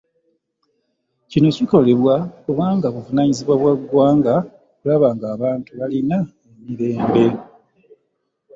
Kino kikolebwa kubanga buvunanyizibwa bwa ggwanga okulaba nga abantu balina emirembe.